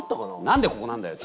何でここなんだよ？